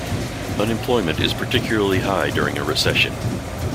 Unemployment is particularly high during a recession.